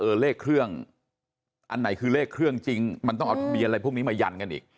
เลขเครื่องอันไหนคือเลขเครื่องจริงมันต้องเอาทะเบียนอะไรพวกนี้มายันกันอีก